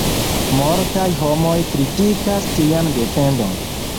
Multaj homoj kritikas tian defendon.